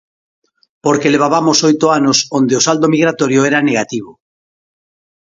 Porque levabamos oito anos onde o saldo migratorio era negativo.